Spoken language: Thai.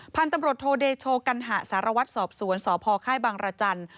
พันธุ์ตำรวจโทเดโชกัณหาสารวัตรสอบสวนสพค่ายบางรจันทร์